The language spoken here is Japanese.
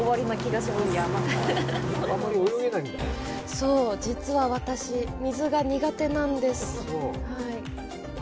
そう、実は私、水が苦手なんです。